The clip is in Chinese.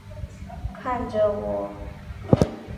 看着我